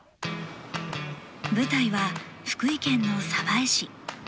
舞台は福井県の鯖江市。